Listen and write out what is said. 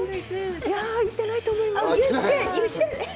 いや、行ってないと思います。